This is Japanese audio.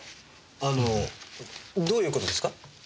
あのーどういうことですか？